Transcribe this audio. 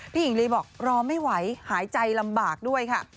หญิงลีบอกรอไม่ไหวหายใจลำบากด้วยค่ะ